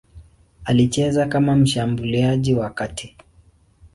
Alicheza kama mshambuliaji wa kati.